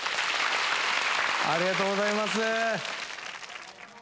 ありがとうございます。